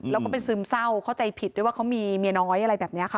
แล้วก็เป็นซึมเศร้าเข้าใจผิดด้วยว่าเขามีเมียน้อยอะไรแบบนี้ค่ะ